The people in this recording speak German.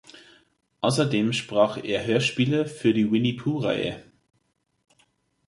Außerdem sprach er Hörspiele für die "Winnie Puuh"-Reihe.